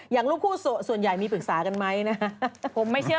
อย่างลูกคู่ส่วนใหญ่มีปรึกษากันไหมนะ